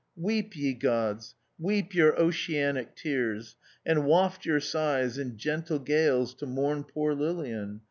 Weep, ye gods, weep your oceanic tears, and waft your sighs in gentle gales to mourn poor Lilian.